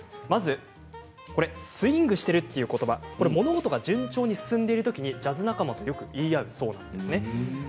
まずスウィングしてるということばこれは物事が順調に進んでいるときにジャズ仲間と言い合うそうなんですね。